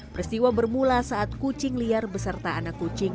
peristiwa bermula saat kucing liar beserta anak kucing